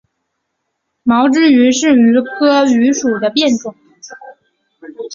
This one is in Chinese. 毛枝榆是榆科榆属的变种。